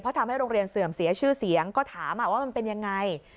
เพราะทำให้โรงเรียนเสื่อมเสียชื่อเสียงก็ถามว่ามันเป็นยังไง